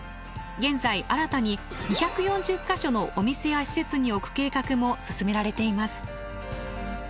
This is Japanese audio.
現在新たに２４０か所のお店や施設に置く計画も進められています。